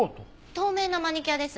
透明なマニキュアです。